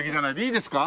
いいですか？